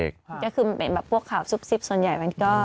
ก็คือมันเป็นแบบพวกข่าวซุบซิบส่วนใหญ่มันก็